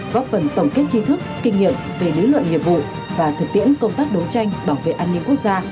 góp phần tổng kết chi thức kinh nghiệm về lý luận nghiệp vụ và thực tiễn công tác đấu tranh bảo vệ an ninh quốc gia